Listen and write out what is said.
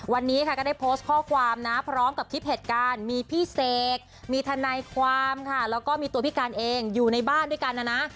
วันนี้ค่ะก็ได้โพสต์ข้อความนะพร้อมกับคลิปเหตุการณ์มีพี่เสกมีทนายความค่ะแล้วก็มีตัวพี่การเองอยู่ในบ้านด้วยกันนะนะ